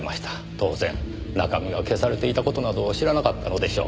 当然中身が消されていた事など知らなかったのでしょう。